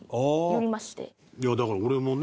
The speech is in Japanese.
いやだから俺もね